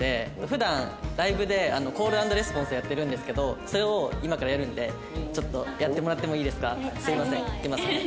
普段ライブでコール＆レスポンスやってるんですけどそれを今からやるんでちょっとやってもらってもいいですか？すみませんいきます。